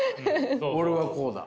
俺はこうだ。